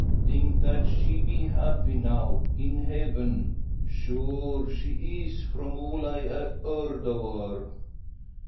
Think that she be happy now in Heaven. Sure she is, from all I ha' heerd o' her."